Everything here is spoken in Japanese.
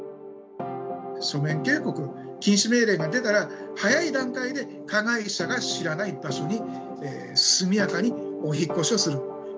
書面警告、禁止命令が出たら、早い段階で加害者が知らない場所に速やかにお引っ越しをする。